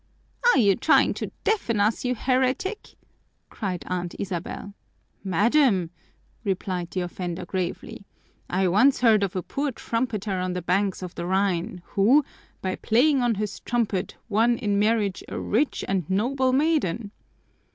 "Are you trying to deafen us, you heretic?" cried Aunt Isabel. "Madam," replied the offender gravely, "I once heard of a poor trumpeter on the banks of the Rhine who, by playing on his trumpet, won in marriage a rich and noble maiden."